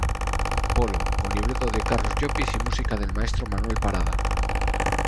Polo", con libreto de Carlos Llopis y música del maestro Manuel Parada.